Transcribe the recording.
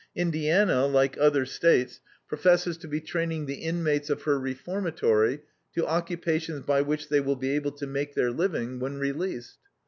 Indiana, like other States, professes to be training the inmates of her reformatory to occupations by which they will be able to make their living when released.